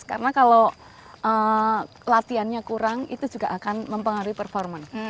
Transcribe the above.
karena kalau latihannya kurang itu juga akan mempengaruhi performance